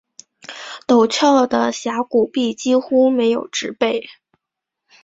陡峭的峡谷壁几乎没有植被。